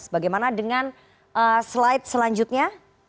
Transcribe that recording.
bagaimana dengan slide selanjutnya